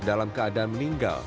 dalam keadaan meninggal